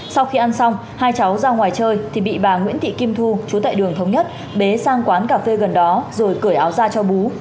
sau khi ăn xong hai cháu ra ngoài chơi thì bị bà nguyễn thị kim thu chú tại đường thống nhất bế sang quán cà phê gần đó rồi cởi áo ra cho bú